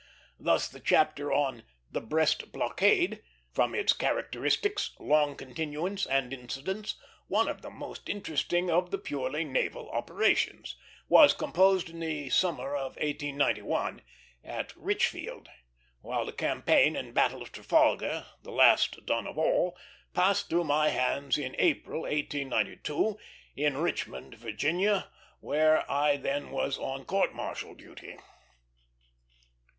Thus the chapter on "The Brest Blockade," from its characteristics, long continuance, and incidents, one of the most interesting of the purely naval operations, was composed in the summer of 1891, at Richfield; while the campaign and battle of Trafalgar, the last done of all, passed through my hands in April, 1892, in Richmond, Virginia, where I then was on court martial duty.